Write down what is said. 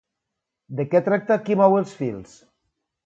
De què tracta "Qui mou els fils?"?